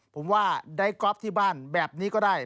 ผมว่าได้ก๊อฟที่บ้านแบบนี้ก็ได้